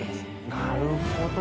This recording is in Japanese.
なるほど。